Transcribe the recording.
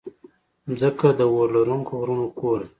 مځکه د اورلرونکو غرونو کور ده.